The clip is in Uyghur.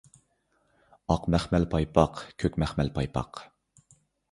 ئاق مەخمەل پايپاق، كۆك مەخمەل پايپاق.